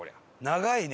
長い。